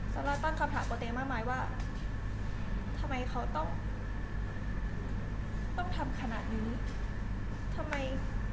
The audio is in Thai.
สาราตั้งคำถามกระเตงมากมายว่าทำไมเขาต้องทำขนาดนี้